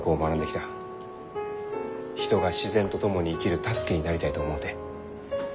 人が自然と共に生きる助けになりたいと思うて。